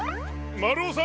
まるおさん！